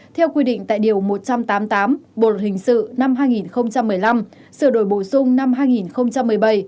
theo quy định tại điều một trăm tám mươi tám bộ luật hình sự năm hai nghìn một mươi năm sửa đổi bổ sung năm hai nghìn một mươi bảy